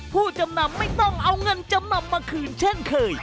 ผู้จำนำไม่ต้องเอาเงินจำนำมาคืนเช่นเคย